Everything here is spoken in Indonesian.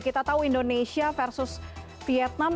kita tahu indonesia versus vietnam